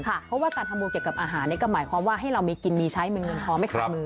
เพราะว่าการทำบุญเกี่ยวกับอาหารนี่ก็หมายความว่าให้เรามีกินมีใช้มีเงินพอไม่ขาดมือ